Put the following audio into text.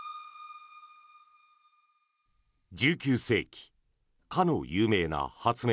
１９世紀、かの有名な発明